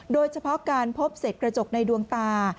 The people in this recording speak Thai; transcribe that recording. โดยเฉพาะการพบเศษกระจกในดวงตา